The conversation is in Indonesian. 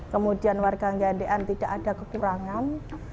kemudian warga nge ndn tidak ada kekurangan